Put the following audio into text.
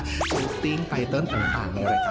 สติ้งไตเติร์นต่างอยู่เลยค่ะ